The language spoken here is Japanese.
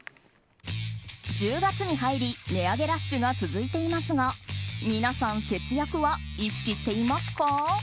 １０月に入り値上げラッシュが続いていますが皆さん、節約は意識していますか？